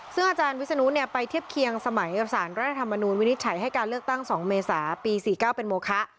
ซึ่งอาจารย์วิศนุไปเทียบเคียงสมัยกับสารรัฐธรรมนูญวินิจฉัยให้การเลือกตั้ง๒เมษาปี๔๙เป็นโมคะ